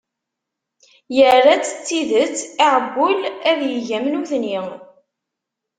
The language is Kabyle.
Yerra-tt d tidet, iεewwel ad yeg am nutni.